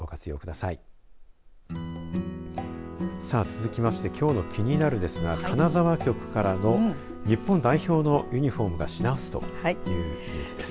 さあ続きましてきょうのキニナル！ですが金沢局からの日本代表のユニホームが品薄というニュースです。